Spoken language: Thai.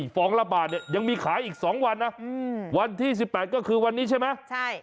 ฟองละบาทเนี่ยยังมีขายอีก๒วันนะวันที่๑๘ก็คือวันนี้ใช่ไหม